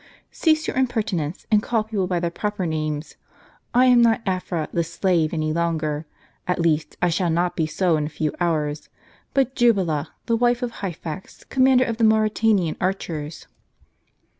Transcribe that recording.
" Cease your impertinence, and call people by their proper names. I am not Afra the slave any longer ; at least I shall not be so in a few . hours ; but Jubala, the wife of Hyphax, commander of the Mauritanian archers."